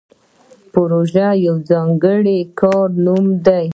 پروژه د یو ځانګړي کار نوم دی